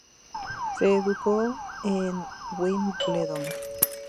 Se educó en Wimbledon.